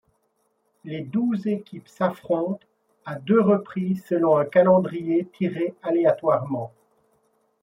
Les douze équipes s'affrontent à deux reprises selon un calendrier tiré aléatoirement.